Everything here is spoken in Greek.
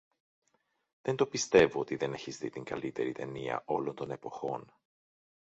Δεν το πιστεύω ότι δεν έχεις δει την καλύτερη ταινία όλων των εποχών.